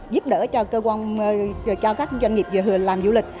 giúp đỡ cho các doanh nghiệp làm du lịch